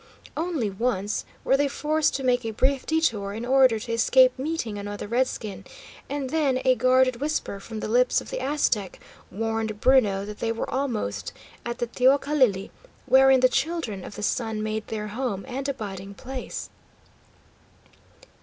Only once were they forced to make a brief detour in order to escape meeting another redskin, and then a guarded whisper from the lips of the Aztec warned Bruno that they were almost at the teocalli wherein the Children of the Sun made their home and abiding place.